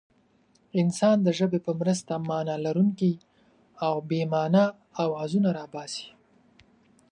انسان د ژبې په مرسته مانا لرونکي او بې مانا اوازونه را باسي.